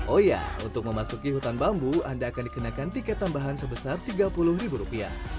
oh ya untuk memasuki hutan bambu anda akan dikenakan tiket tambahan sebesar rp tiga puluh